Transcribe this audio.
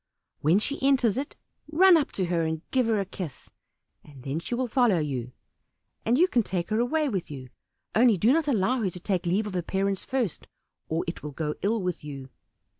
When she enters it, run up to her and give her a kiss, then she will follow you, and you can take her away with you; only do not allow her to take leave of her parents first, or it will go ill with you."